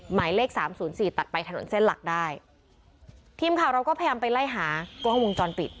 หมายเลขสามศูนย์สี่ตัดไปถนนเส้นหลักได้ทีมข่าวเราก็พยายามไปไล่หากล้องวงจรปิด